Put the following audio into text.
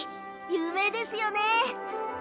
有名ですよね。